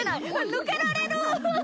抜けられる！